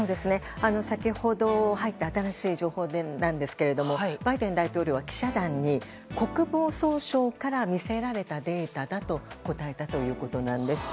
先ほど入った新しい情報なんですがバイデン大統領は記者団に国防総省から見せられたデータだと答えたということです。